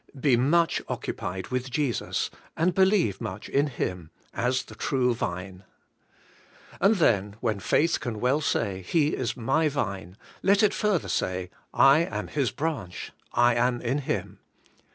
Be much occupied with Jesus, and believe much in Him, as the True Vine. And then, when Faith can well say, 'He is my Vine,' let it further say, 'I am His branch, I am in Him.'